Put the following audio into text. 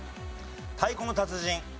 『太鼓の達人』。